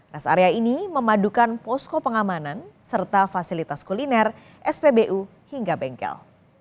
res area ini memadukan posko pengamanan serta fasilitas kuliner spbu hingga bengkel